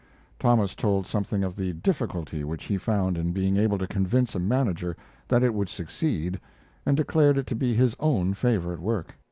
Thomas told something of the difficulty which he found in being able to convince a manager that it would succeed, and declared it to be his own favorite work.